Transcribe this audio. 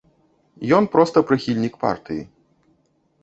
Ён проста прыхільнік партыі.